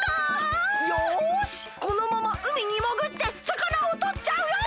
よしこのままうみにもぐってさかなをとっちゃうよ。